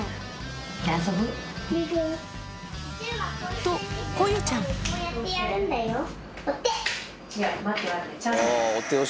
とこゆちゃんお手！